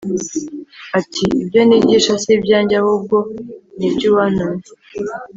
ati ibyo nigisha si ibyanjye ahubwo ni iby uwantumye